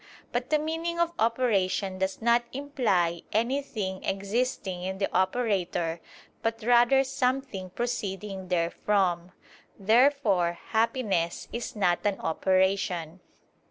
But the meaning of operation does not imply anything existing in the operator, but rather something proceeding therefrom. Therefore happiness is not an operation.